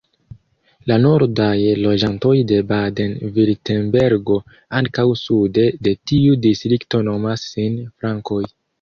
La nordaj loĝantoj de Baden-Virtembergo ankaŭ sude de tiu distrikto nomas sin Frankoj.